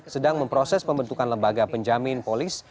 sedang memproses pembentukan lembaga penjamin polis